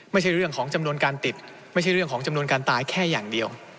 ไม่ใช่เรื่องของจำนวนการติดไม่ใช่เรื่องของจำนวนการตายแค่อย่างเดียว